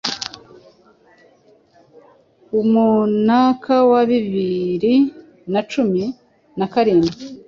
umwnaka wa bibiri na cumi na karindwi